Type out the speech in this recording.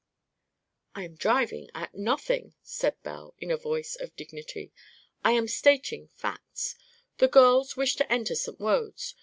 "I am driving at nothing," said Belle, in a voice of dignity. "I am stating facts. The girls wish to enter St. Wode's.